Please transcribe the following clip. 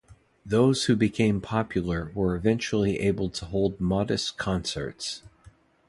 Those who became popular were eventually able to hold modest concerts.